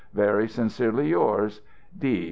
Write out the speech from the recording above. Very sincerely yours, D.